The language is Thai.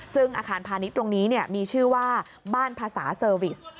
ซึ่งอาคารพาณิชย์ตรงนี้มีชื่อว่าบ้านภาษาเซอร์วิส